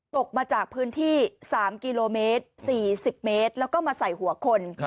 ตกมาจากพื้นที่๓กิโลเมตร๔๐เมตรแล้วก็มาใส่หัวคน